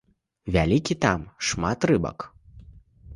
Вялікі, там шмат рыбак.